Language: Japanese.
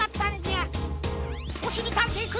おしりたんていくん。